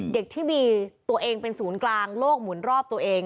เด็กที่มีตัวเองเป็นศูนย์กลางโลกหมุนรอบตัวเอง